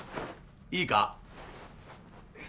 いいか？